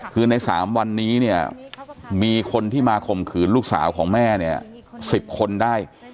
คือใน๓วันนี้เนี่ยมีคนที่มาข่มขืนลูกสาวของแม่เนี่ย๑๐คนได้